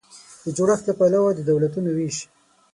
د جوړښت له پلوه د دولتونو وېش